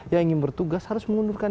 yang ingin bertugas harus mengundurkan